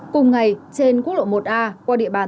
cùng ngày trên quốc lộ một a qua địa bàn